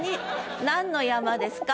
何の山ですか？